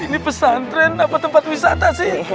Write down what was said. ini pesantren apa tempat wisata sih